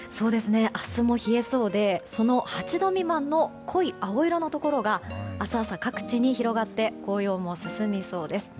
明日も冷えそうでその８度未満の濃い青色のところが明日朝、各地に広がって紅葉も進みそうです。